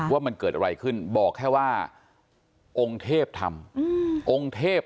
ว่ามันเกิดอะไรขึ้นบอกแค่ว่าองค์เทพทำองค์เทพ